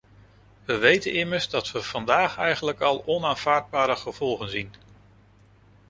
We weten immers dat we vandaag eigenlijk al onaanvaardbare gevolgen zien.